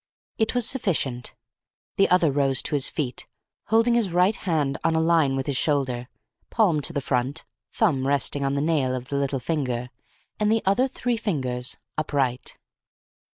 It was sufficient. The other rose to his feet, holding his right hand on a line with his shoulder, palm to the front, thumb resting on the nail of the little finger, and the other three fingers upright.